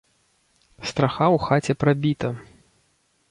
Страха ў хаце прабіта.